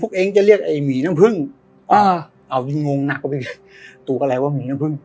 พวกเองจะเรียกไอ้หมี่น้ำพึงอ่าเอายิงงงหนักออกไปตูกอะไรว่าหมี่น้ำพึง